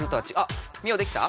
ミオできた？